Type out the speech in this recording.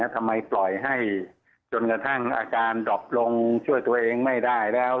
ทำไมปล่อยให้จนกระทั่งอาการดอบลงช่วยตัวเองไม่ได้แล้ว